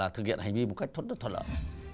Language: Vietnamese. thực hiện hành vi một cách thuận lợi